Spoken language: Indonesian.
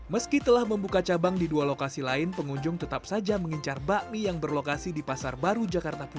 meski telah membuka cabang di dua lokasi lain pengunjung tetap saja mengincar bakmi yang berlokasi di pasar baru jakarta pusat